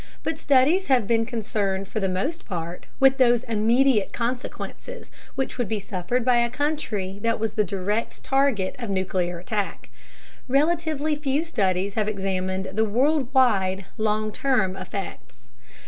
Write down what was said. But studies have been concerned for the most part with those immediate consequences which would be suffered by a country that was the direct target of nuclear attack. Relatively few studies have examined the worldwide, long term effects.